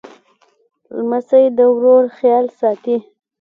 لمسی د ورور خیال ساتي.